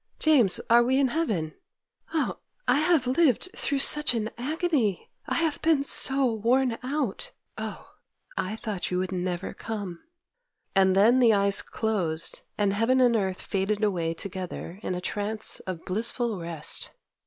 James, are we in heaven? Oh, I have lived through such an agony—I have been so worn out! Oh, I thought you never would come!' And then the eyes closed, and heaven and earth faded away together in a trance of blissful rest.